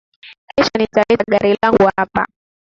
Kesho nitaleta gari langu hapa